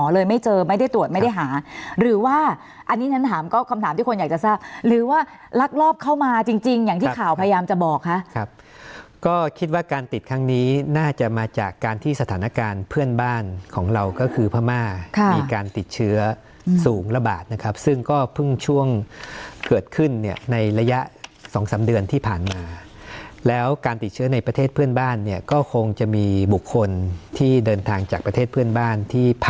ลักลอบเข้ามาจริงอย่างที่ข่าวพยายามจะบอกครับก็คิดว่าการติดครั้งนี้น่าจะมาจากการที่สถานการณ์เพื่อนบ้านของเราก็คือพม่ามีการติดเชื้อสูงระบาดนะครับซึ่งก็เพิ่งช่วงเกิดขึ้นเนี่ยในระยะสองสามเดือนที่ผ่านมาแล้วการติดเชื้อในประเทศเพื่อนบ้านเนี่ยก็คงจะมีบุคคลที่เดินทางจากประเทศเพื่อนบ้านที่ผ่